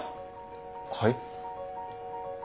はい？